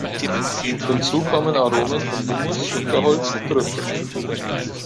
Hinzu kommen Aromen von Humus, Unterholz und Trüffeln.